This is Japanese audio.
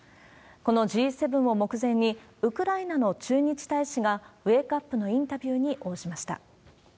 このＧ７を目前に、ウクライナの駐日大使がウェークアップのインタビューに応じました。